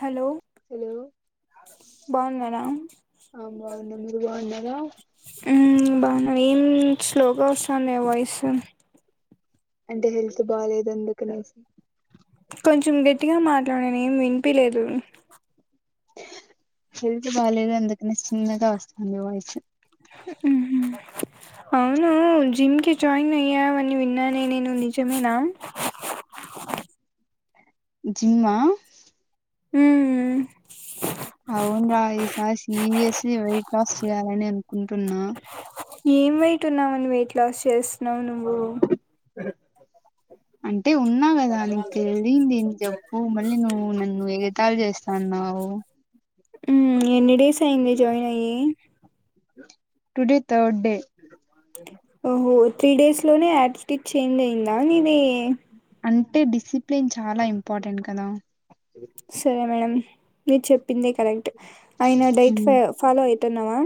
Hello hello బాగున్నారా ఆ బాగున్నా మీరు బాగున్నారా బాగున్నం ఏం స్లోగా వస్తుంది వాయిస్ అంటే హెల్త్ బాలేదు అందుకనేసి కొంచెం గట్టిగా మాట్లాడండి ఏం వినిపిలేదు హెల్త్ బాలేదు అందుకనే చిన్నగా వస్తుంది వాయిస్ ఆమ్ అవునూ జిమ్ కి జాయిన్ అయ్యావని విన్నానే నేను నిజమేనా జిమ్ ఆ హమ్ అవున్రా ఈసారి సీరియస్లి వెయిట్ లాస్ చెయ్యలని అనుకుంటున్నా ఏం వెయిట్ ఉన్నావని వెయిట్ లాస్ చేస్తు న్నవు నువ్వు అ జబ్బు మళ్ళీ నువ్వు నన్ను ఎగతాళి చేస్తాన్నావు ఉమ్ ఎన్ని డేస్ అయింది జాయిన్ అయ్యి టుడే ధర్డ్ డే ఓహో త్రీ డేస్ లోనే యాటిట్యూడ్ చేంజ్ అయ్యింద నిదీ అంటె డిసిప్లిన్ చాలా ఇంపార్టెంట్ కదా సరే మేడం మీర్ చెప్పిందే కరెక్ట్ అయిన డైట్ ఫ ఫాలో అవుతున్నావా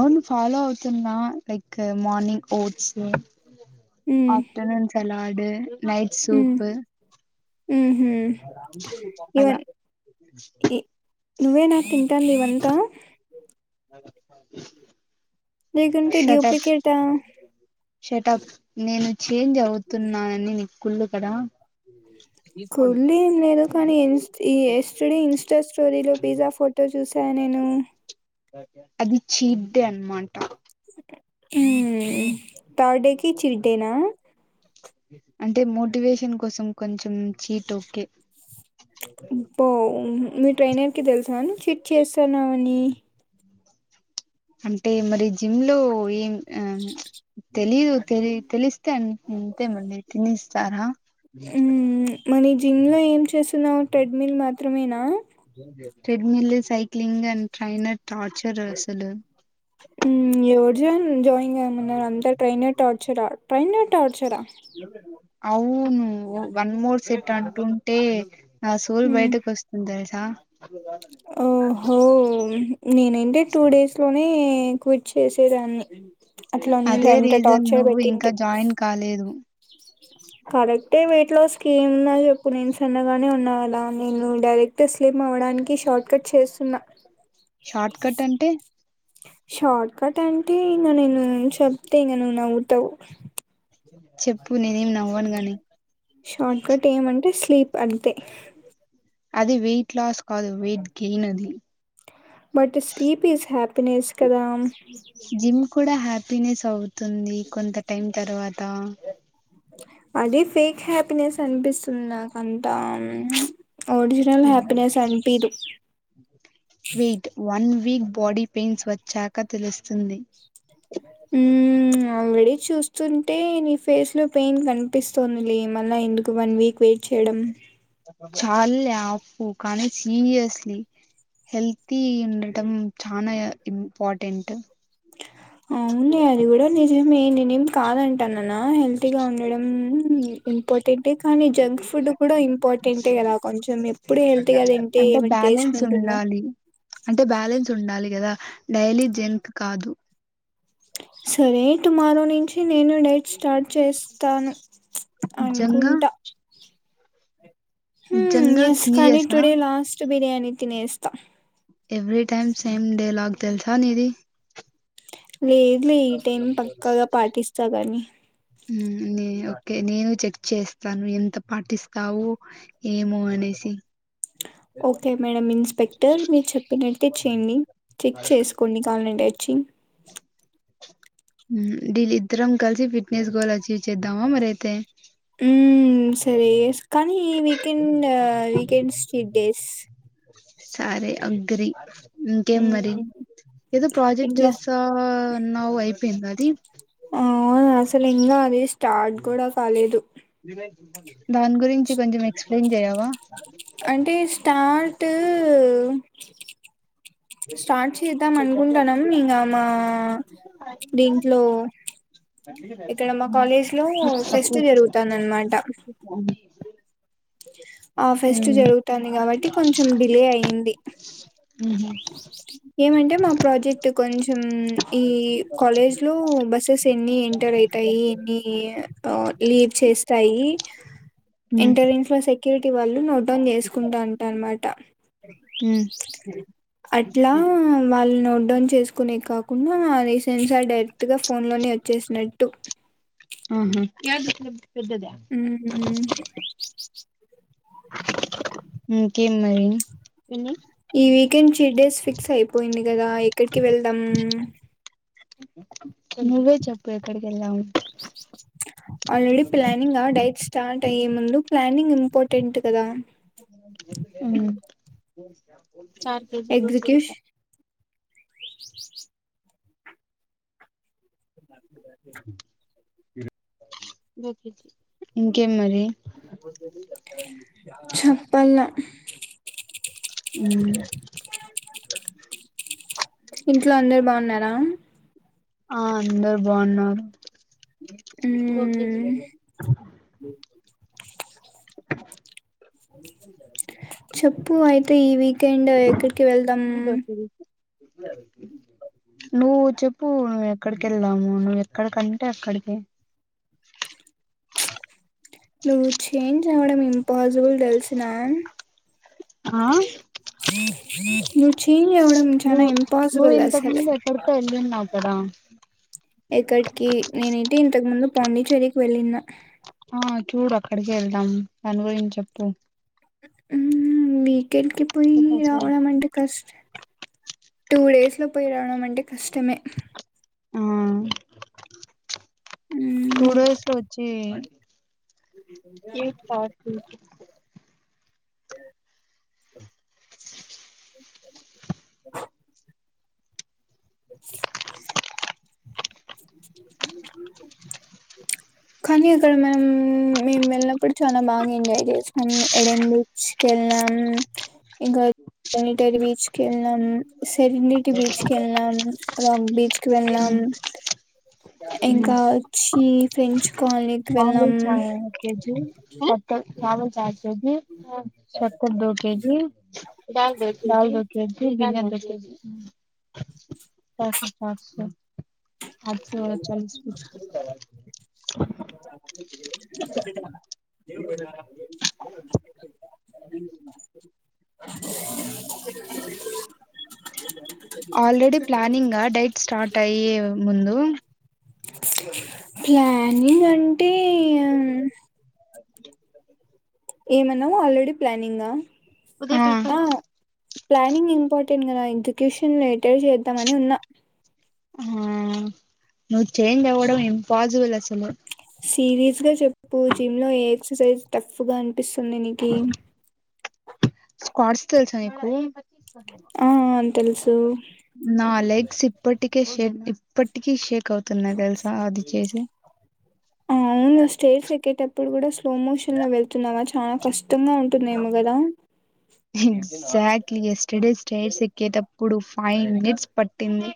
ఔన్ ఫాలో అవుతున్నా లైక్ మార్నింగ్ ఓట్స్ మ్మ్ అఫ్టర్నూన్ సలాడ్ అడే నైట్ సూప్ ఉమ్ హమ్ అలా ఇవన్ ఇ నువ్వేనా తింటోంది ఇదంతా లేకుంటె షటప్ డ్యూప్లికేటా షటప్ నేను చేంజ్ అవుతున్నా అని నీకు కుళ్ళు కదా కూల్డ్రింక్ అనుకోని ఇన్స్ట్ ఇ ఎస్టర్డే ఇన్స్టా స్టోరీలో పిజ్జా ఫోటో చూసాను నేనూ అది చీట్డేన్నమాట హుమ్ అంటే మోటివేషన్ కోసం కొంచెం చీటు కే పో మీ ట్రైనర్ కి తెలుసాని చెట్ చేస్తాన్నవనీ అంటే మరి జిమ్లో ఏం అవును తెలీదు తెలి తెలిస్తే అం అంతే మీర్ తినిస్తారా హ్మ్ మరి జిమ్లో ఏం చేస్ నవు ట్రెడ్మిల్ మాత్రమేనా treadmill, cycling, and trainer torture అసల్ ఎవరు జన్ జాయింగ్ అయిమన్నారు అంతా ట్రైన్ టార్చరా ట్రైన్ టార్చరా [inaudible] వన్ మోర్ సెట్ అంటుంటే నా సోల్ హ్ బయటకు వస్తుంది తెలుసా ఓహో నేనంటే టూ డేస్లోనే చేేస్ అదే రీజన్ టార్చర్ నువ్వు పెట్టింటే ఇంకా జాయిన్ కాలేదు. కరెక్టే వీటిలో స్కీమ్న చెప్పు నేను సన్నగానే ఉన్నా గదా నేను డైరెక్ట్ స్లిమ్ అవ్వడానికి షార్ట్ కట్ చేస్తున్నా షార్ట్ కట్ అంటే షర్ట్కట్ అం టే ఇంగ నేను చెప్తే ఇంకా నువు నవ్వుతవ్ [inaudible] చెప్పు నేనేం నవ్వను గని షార్ట్ కట్ ఏమంటే స్లీప్ అంతే అదే వెయిట్ లాస్ కాదు వెయిట్ గెయిన్ అది బట్ స్లీప్ ఈస్ హ్యాపీనెస్ కదాం పినస్ అవుతుంది కొంత టైం తర్వాతా అది ఫేక్ హ్యాపీనెస్ అనిపిస్తుంది నాకంతా ఒరిజినల్ హ్యాపీనెస్ అనిపీదు. Wait one week body pains వచ్చాక తెలుస్తుంది. హ్మ్ ఆల్రెడీ చూస్తుంటే నీ ఫేస్లో పెయిన్ కనిపిస్తుంది. మళ్ళ ఎందుకు వన్ వీక్ వెయిట్ చేయడం. చాల్లే ఆపు కానీ సీరియస్లీ హెల్తీ ఉండటం చానా ఇంపార్టెంట్ [inaudible] నేన్ కాదంటాన్ననా హెల్తీగా ఉండడం ఇంపార్టెంటే కానీ జంక్ ఫుడ్ కూడా ఇంపార్టెంటే కదా కొంచం ఎప్పుడు హెల్తీగా తింటే అంటే ఏమనా టేస్ట్ బ్యాలెన్స్ ఉంటుందా ఉండాలి అంటే బ్యాలెన్స్ ఉండాలి కదా డైలీ జంక్ కాదు సరే టుమారో నించి నేను డేట్ స్టార్ట్ చేస్తాను నిజంగా అనుకుంటా హ్మ్ నిజంగా ఎస్ కనీ సీరియసా టుడే లాస్ట్ బిర్యానీ తినేస్తా ఎవ్రీ టైమ్ సేమ్ డేలాగ్ తెలుసా నీది లేదు లే ఈ టైం పక్కగా పాటిస్తా కానీ. హ్ నే ఓకే నేను చెక్ చేస్తాను, ఎంత పాటిస్తావు ఏమో అనేసి. ఓకే మేడం ఇన్స్పెక్టర్ మీరు చెప్పినట్టే చేయండి చెక్ చేసుకోండి కావలంటే వచ్చి హ్ ఢీల్ ఇద్దరం కలిసి ఫిట్నెస్ గోల్ అచీవ్ చేద్దామా మరైతే. హ్ సరే కానీ వీకెండ్ వీకెండ్స్ చీట్ డేస్. సరే అగ్రీ. ఇంకేం మరి ఏదో ప్రాజెక్ట్ ఇంట్లో చేస్తా అన్నావ్ అయిపోయింద అది. ఆ, అసలు ఇంగా అది స్టార్ట్ కూడా కాలేదు. దాని గురించి కొంచెం ఎ అంటే స్టార్ట్ స్టార్ట్ చేద్దాం అనుకుంటున్నాం ఇంకా మా దీంట్లో ఇక్కడ మా హ్మ్ కాలేజ్ లో ఫెస్ట్ ఊహూ జరుగుతాందన్నమాట. ఇ ఆ ఫెస్ట్ జరుగుతాంది కాబట్టి కొంచెం డిలే అయింది. హుహ్ ఏమంటే మా ప్రాజెక్ట్ కొంచెం ఈ కాలేజ్ లో బస్సెస్ ఎన్ని ఎంటర్ అయితాయి ఎన్ని లీవ్ చేస్తాయి. హ్మ్ ఎంటరెన్స్లో సె క్యూరిటీ వాళ్ళు నోట్ డౌన్ చేసుకుంటా అంట అనమాట. హ్మ్ అట్లా వాళ్ళు నోట్డౌన్ చేసుకునే కాకుండా రీసెన్సార్ డైరెక్ట్గా ఫోన్ లోనే వచ్చేసినట్టు. ఆహా హ్ మ్మ్ ఇంకేం మరి ఈ వీకెండ్ చీట్ డేస్ ఫిక్స్ అయిపోయింది. కదా ఎక్కడికి వెళ్దాం. నువ్వే చెప్పు ఎక్కడికి వెళ్దాము. ఆల్రెడీ ప్లానింగా డైట్ స్టార్ట్ అయ్యే ముందు ప్లానింగ్ ఇంపార్టెంట్ కదా. హ్ చార్ కేజీ దొసౌ రూపయ ఎగ్జిక్యూషన్ ఇంకేం మరి చప్పాల. హ్మ్ ఇంట్లో అందరు బావున్న రం ఆ అందరు బావున్నారు. ఓకే మ్మ్ చెప్ పు అయితే ఈ వీకెండ్ ఎక్కడ్ కి వెళ్దమ్. నువ్వు చెప్పు ఎక్కడికి ఎల్దము, నువ్ ఎక్కడికంటే అక్కడికి నువ్వు చేంజ్ అవ్వడం ఇంపాసిబుల్ దెల్సునా ఆ నువ్వు చేంజ్ అవ్వడం చానా నువ్వు ఇంపాసిబిల్ అసలు దా ఎక్కడికి నేనీ ఇంతకు ముందు పాండిచ్చేరికి వెళ్ళిన్న ఆ చూడు అక్కడికే ఎల్దాం, దాన్ గురిం చెప్పు హు హు మీ కెళ్కిపొయ్యి రావడం అంటే కష్. టూ డేస్ లో పోయ్ రావడమన్ కష్టమే ఆ టూ మ్మ్, డేస్ ఒచ్చి ఏ పాటు కానీ అక్కడ మేం మేమ్ వెళ్ళినప్పుడు చాలా బాగా ఎంజాయ్ చేస్నం, ఎడెన్ బీచ్ కెళ్ళాం, ఇంకా నిటర్ బీచ్ కెళ్ళినం. సెరినిటి బీచ్ కెళ్నాం. రం బీచ్ కి వెళ్ళాం. ఇంకా ఒచ్చి ఫ్రెంచ్ కాలనీకి వెళ్ళాం పామిలి చా కేజీ అ మామల్ చాచ్ ఎది సొ కొ దొకేజి దాల్ బెట్ దాల్ bait [unintelligible] [unintelligible] [unintelligible] already planning diet start అయ్యే ముందు ప్లానింగ్ అంటే యన్ ఏమన్నావు ఆల్రెడీ ప్లానింగా ఉ ఆ ప్లానింగ్ ఇంపార్టెంట్ కదా ఎడ్యుక్యూషన్ రిలేటెడ్ చేద్దామని ఉన్నా ఆ నువ్వు చేేంజ్ అవ్వడం ఇంపాసిబుల్ అసలు సీరియస్ గా చెప్పు జిమ్ లో ఏ ఎక్సర్సైజ్ టఫ్ గా అ నీపిస్తుందినికి కోర్సు తెలుసా నీకు ఆ తెలుసు తు నా లెగ్స్ ఇప్పటికే షేట్ ఇప్పటికీ షెట్ క్ అవుతున్నాయి తెలుసా అది చేసి ఆ అవును స్టే ఫి కె ట్ అయితే స్లోమోషన్ లో వెళ్తున్నావా చాలా కష్టంగా ఉంటుందేమో గాదా ఎగ్జాక్ట్లీ ఎస్టర్డే స్టేర్స్ ఎక్కేటప్పుడు ఫైవ్ మినిట్స్ పట్టింది.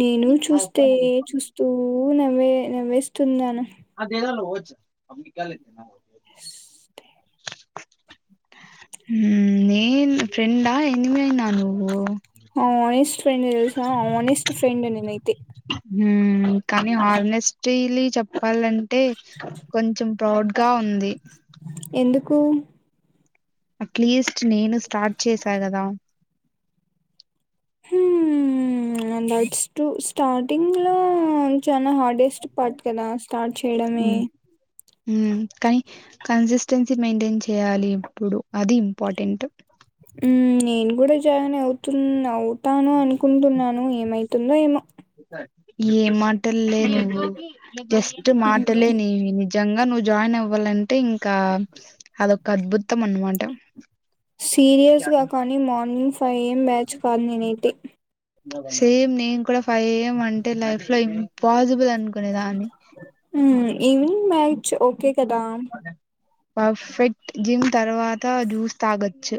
నేను చూస్తే చూస్తూ ను నవ్వే నవ్వేస్తున్నాను ఆ తనాలో వచ్చ అమ్ కాల తనాలో ఉషు ఉ నేను ఫ్రెండా ఎనిమి అయినావ నువ్వు హ ఇష్ట ఫ్రెండ్ చూసినవా హాని స్ట్ ఫ్రెండ్ నేనైతే హ్ కానీ హానెస్ట్ డైలీ చెప్పాలం టే కొంచెం ప్రౌడ్ గా ఉంది ఎందుకు అట్లీస్ట్ నేను స్టార్ట్ చేశా కదా హ్మ్మ్ దట్స్ ట్రు స్టార్టింగ్ లో చాన హార్డెస్ట్ పార్ట్ కదా స్టార్ట్ చేయడమే హ్మ్ కాని కన్సిస్టెన్సీ మెయింటైన్ చేయాలి ఇప్పుడు అది ఇంపార్టెంట్ నేను కూడ జాయిన్ అవుతున్నా అవు తాను అనుకుంటున్నాను. ఏమైతుందో ఏమో ఏ మా టలే బాబు నువ్వు జస్ట్ మాటలే నీవీ, నిజంగా నువ్ జాయిన్ అవ్వాలంటే ఇంకా అదొక అద్భుతం అన్మాట సీరియస్ గా కానీ morning five A M batch కాదు నేనైతే సేమ్ నేను కూడ ఫైవ్ ఏ ఎం అంటే లైఫ్ లో ఇంపాసిబుల్ అనుకునే దాన్ని మ్మ్, ఈవినింగ్ బ్యాచ్ ఓకే కదా పర్ఫెక్ట్ జిమ్ తర్వాత జ్యూస్ తాగొచ్చు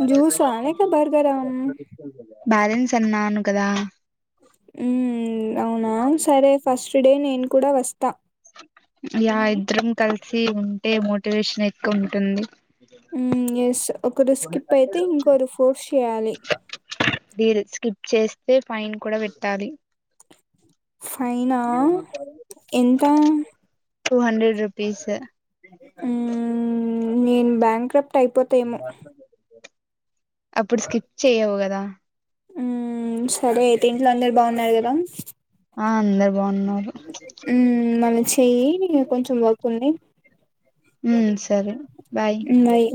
పని అయిపోయిన జ్యూసా లేక [unintelligible] బర్గరా తర్వాత [unintelligible] బ్యాలెన్స్ అన్నాను కదా మ్మ్ అవునా సరే ఫస్ట్ డే నేను కుడ వస్తా యా ఇద్దరం కలిసి ఉంటే మోటివేషన్ ఎక్కువ ఉంటుంది హ్మ్ ఎస్ ఒకరు స్కిప్ అయితే ఇంకోరు ఫోర్స్ చేయాలి డీల్ స్కిప్ చేస్తే ఫైన్ కూడ కట్టాలి ఫైనా, ఎంత? టూ హండ్రెడ్ రు పీసే హ్మ్ నేను బ్యాంకర్ డిపార్టుమెంటు అప్పుడు స్కిప్ చెయ్యవు క దా మ్మ్ సరే అయితే ఇంట్లో అందరు బాగున్నారు కదా ఆ అందరు ఉన్నారు చె్య కొంచెం వర్క్ ఉండే అ సరే బాయ్ బాయ్